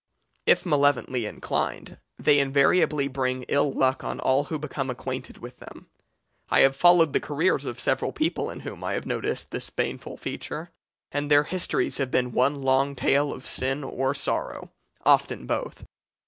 If malevolently inclined, they invariably bring ill luck on all who become acquainted with them. I have followed the careers of several people in whom I have noticed this baneful feature, and their histories have been one long tale of sin or sorrow often both.